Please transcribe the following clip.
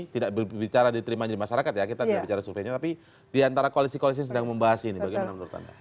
tidak bicara diterimanya di masyarakat ya kita tidak bicara surveinya tapi diantara koalisi koalisi yang sedang membahas ini bagaimana menurut anda